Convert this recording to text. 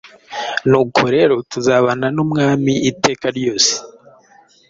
Nuko rero tuzabana n’Umwami iteka ryose.”